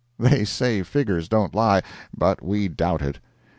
They say figures don't lie—but we doubt it.